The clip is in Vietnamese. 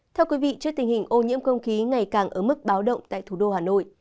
thưa quý vị trước tình hình ô nhiễm không khí ngày càng ở mức báo động tại thủ đô hà nội